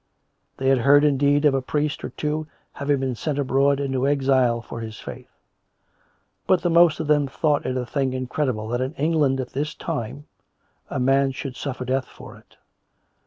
They had heard, indeed, of a priest or two having been sent abroad into exile for his faith; but the most of them thought it a tiling incredible that in England at this time a man should suffer death for it.